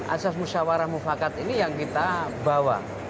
asas musyawarah mufakat ini yang kita bawa